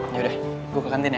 yaudah gue ke kantin ya